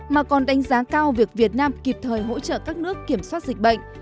mà còn đánh giá cao việc việt nam kịp thời hỗ trợ các nước kiểm soát dịch bệnh